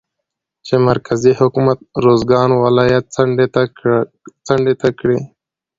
چې مرکزي حکومت روزګان ولايت څنډې ته کړى